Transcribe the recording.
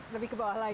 lebih ke bawah lagi